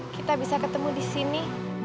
kita bisa ketemu disini